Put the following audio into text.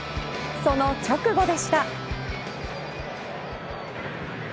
その直後でした。